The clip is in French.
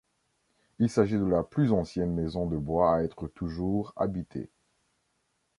Il s'agit de la plus ancienne maison de bois à être toujours habitée.